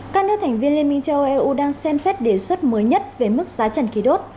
các nước thành viên liên minh châu âu đang xem xét đề xuất mới nhất về mức giá trần khí đốt